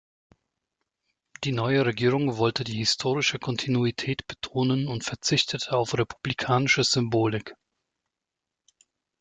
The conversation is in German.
Die neue Regierung wollte die historische Kontinuität betonen und verzichtete auf republikanische Symbolik.